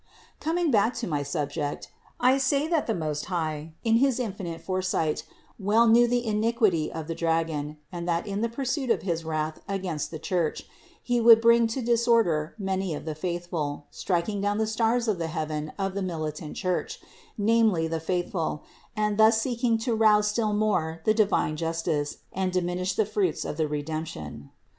365. Coming back to my subject, I say that the Most High, in his infinite foresight, well knew the iniquity of the dragon, and that in the pursuit of his wrath against the Church he would bring to disorder many of the faithful, striking down the stars of the heaven of the militant church, namely the faithful, and thus seeking to rouse still more the divine justice and diminish the fruits of the Redemption.